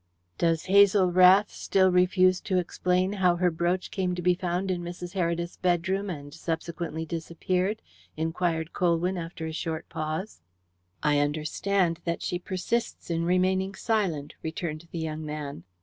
"Does Hazel Rath still refuse to explain how her brooch came to be found in Mrs. Heredith's bedroom and subsequently disappeared?" inquired Colwyn after a short pause. "I understand that she persists in remaining silent," returned the young man.